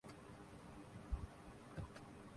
ہم کبھی دو قدم پیچھے جاتے تھے۔